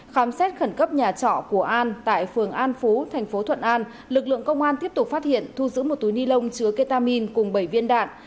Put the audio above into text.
tại phường an phú thành phố thuận an lực lượng công an tiếp tục phát hiện thu giữ một túi ni lông chứa ketamin cùng bảy viên đạn